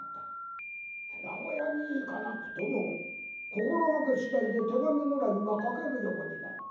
「寺子屋に行かなくとも心がけ次第で手紙ぐらいは書けるようになる。